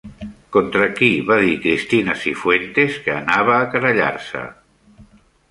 Contra qui va dir Cristina Cifuentes que anava a querellar-se?